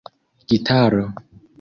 gitaro